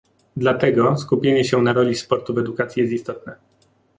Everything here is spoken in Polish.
Dlatego skupienie się na roli sportu w edukacji jest istotne